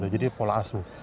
jadi pola asuh